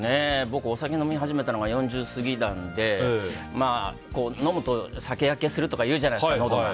僕、お酒を飲み始めたのが４０過ぎなので飲むと酒焼けするとかいうじゃないですか、のどが。